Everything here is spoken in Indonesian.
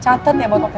catet ya botol kecap